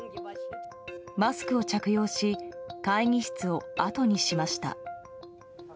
マスクを着用し会議室をあとにしました。